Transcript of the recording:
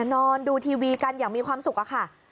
นอนดูทีวีกันอย่างมีความสุขอะค่ะ